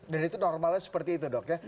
dan itu normalnya seperti itu dok ya